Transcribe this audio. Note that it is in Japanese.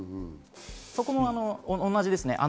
そこも同じですね。